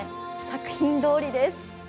作品どおりです。